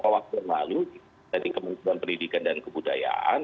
waktu yang lalu dari kementerian pendidikan dan kebudayaan